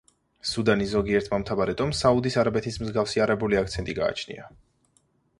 სუდანის ზოგიერთ მომთაბარე ტომს საუდის არაბეთის მსგავსი არაბული აქცენტი გააჩნია.